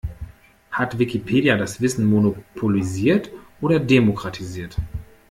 Hat Wikipedia das Wissen monopolisiert oder demokratisiert?